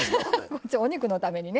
お肉のためにね。